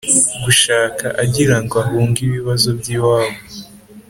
Gushaka agira ngo ahunge ibibazo by iwabo